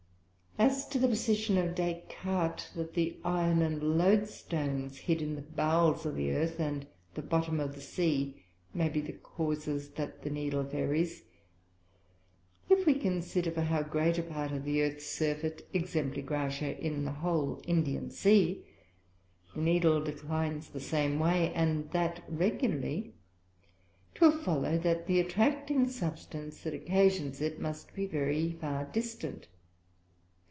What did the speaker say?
As to the Position of Des Cartes, _that the Iron and Loadstones hid in the Bowels of the Earth and the Bottom of the Sea, may be the Causes that the Needle varies_; if we consider for how great a part of the Earths Surface, ex. gr. in the whole Indian Sea, the Needle declines the same way, and that regularly, 'twill follow that the attracting Substance that occasions it, must be very far distant.